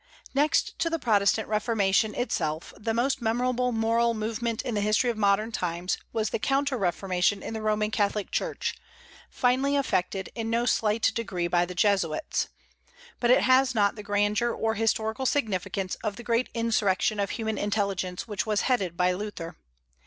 Next to the Protestant Reformation itself, the most memorable moral movement in the history of modern times was the counter reformation in the Roman Catholic Church, finally effected, in no slight degree, by the Jesuits. But it has not the grandeur or historical significance of the great insurrection of human intelligence which was headed by Luther.